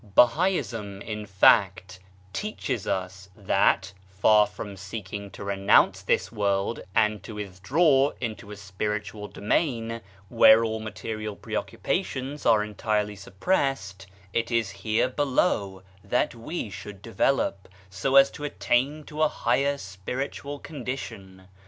Bahaism, in fact, teaches us that, far from seeking to renounce this world and to withdraw into a spiritual domain where all material preoccupations are entirely suppressed, it is here below that we should develop, so as to attain to a higher spiritual condition.